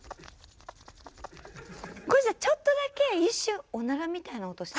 これじゃちょっとだけ一瞬おならみたいな音した。